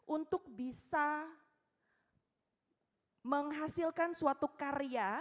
untuk bisa menghasilkan suatu karya